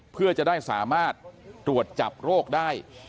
เพื่อจะได้สามารถตรวจจับโรคได้